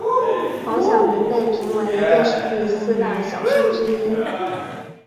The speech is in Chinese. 黄晓明被评为电视剧四大小生之一。